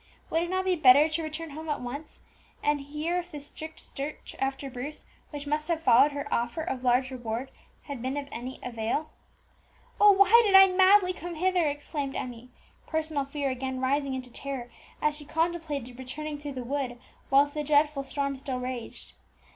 Would it not be better to return home at once, and hear if the strict search after Bruce which must have followed her offer of large reward had been of any avail? "Oh! why did I madly come hither?" exclaimed Emmie, personal fear again rising into terror, as she contemplated returning through the wood whilst the dreadful storm still raged.